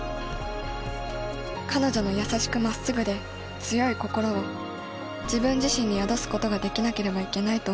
彼女の優しくまっすぐで強い心を自分自身に宿すことができなければいけないと思い